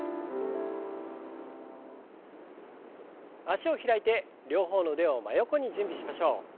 脚を開いて両方の腕を真横に準備しましょう。